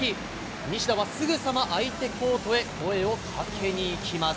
西田はすぐさま相手コートへ声をかけにいきます。